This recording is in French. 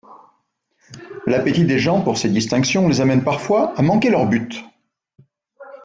L'appétit des gens pour ces distinctions les amène parfois à manquer leur but.